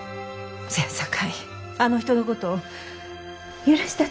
せやさかいあの人のこと許したって。